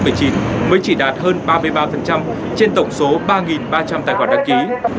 mới chỉ đạt hơn ba mươi ba trên tổng số ba ba trăm linh tài khoản đăng ký